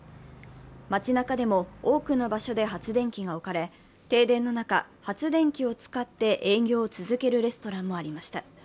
街なかでも多くの場所で発電機が置かれ、停電の中、発電機を使って営業を続けるレストランもありました。